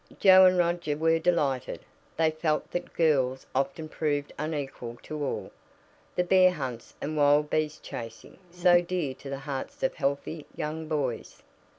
Joe and Roger were delighted. They felt that girls often proved unequal to all "the bear hunts and wild beast chasing," so dear to the hearts of healthy, young boys.